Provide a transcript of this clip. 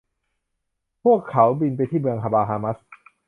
พวกเขาบินไปที่เมืองบาฮามัส